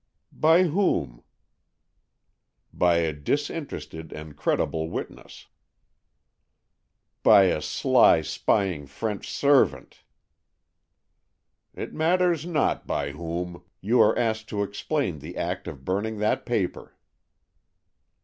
"By whom?" "By a disinterested and credible witness." "By a sly, spying French servant!" "It matters not by whom; you are asked to explain the act of burning that paper."